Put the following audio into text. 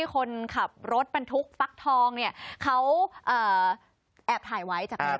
มีคนขับรถปันทุกปลั๊กทองเนี่ยเขาแอบหายไว้จากในรถ